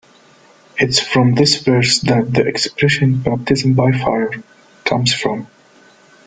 It is from this verse that the expression "baptism by fire" comes from.